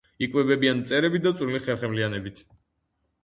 იკვებებიან მწერებით და წვრილი ხერხემლიანებით.